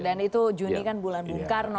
dan itu juni kan bulan bung karno